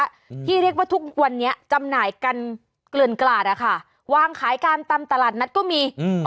อืมที่เรียกว่าทุกวันนี้จำหน่ายกันเกลือนกลาดอ่ะค่ะวางขายตามตลาดนัดก็มีอืม